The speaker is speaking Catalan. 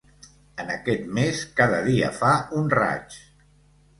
En aquest mes cada dia fa un raig.